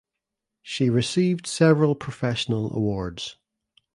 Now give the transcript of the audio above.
She received several professional awards.